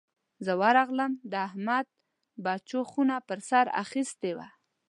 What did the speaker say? زه چې ورغلم؛ د احمد بچو خونه پر سر اخيستې وه.